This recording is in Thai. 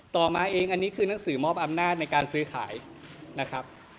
ต่อมาเองอันนี้คือหนังสือมอบอำนาจในการซื้อขายนะครับ